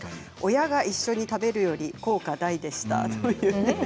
親が一緒に食べるより効果大でしたということです。